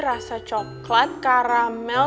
rasa coklat karamel